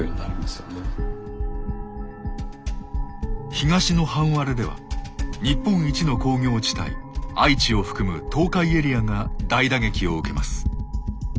東の半割れでは日本一の工業地帯愛知を含む東海エリアが大打撃を受けます。